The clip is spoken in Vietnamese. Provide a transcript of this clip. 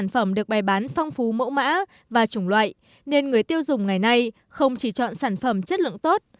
phong phú mẫu mã và chủng loại nên người tiêu dùng ngày nay không chỉ chọn sản phẩm chất lượng tốt